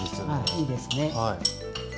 はい。